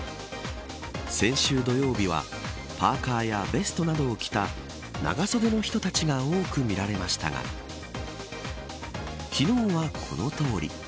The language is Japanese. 先週土曜日はパーカーやベストなどを着た長袖の人たちが多く見られましたが昨日は、このとおり。